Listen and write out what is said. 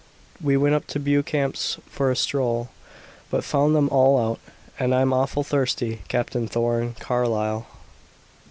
We went up to Beauchamp's for a stroll, but found them all out, and I'm awful thirsty. Captain Thorn, Carlyle."